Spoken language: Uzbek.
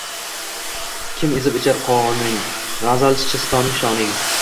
Kim ezib ichar qoning, gʼazal-chistoning shoning